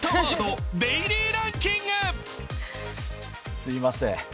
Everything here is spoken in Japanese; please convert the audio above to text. すいません。